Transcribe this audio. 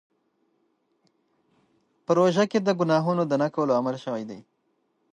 په روژه کې د ګناهونو د نه کولو امر شوی دی.